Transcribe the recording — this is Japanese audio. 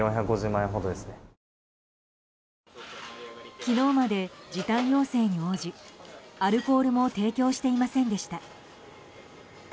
昨日まで時短要請に応じアルコールも提供していませんでした。